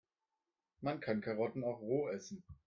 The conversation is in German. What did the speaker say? Man kann Karotten auch roh essen.